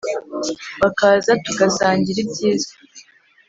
Bakaza tugasangira ibyiza